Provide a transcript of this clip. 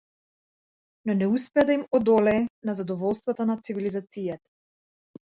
Но не успеа да им одолее на задоволствата на цивилизацијата.